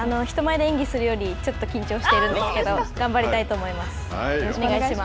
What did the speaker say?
人前で演技するよりちょっと緊張しているんですけれども頑張りたいと思います。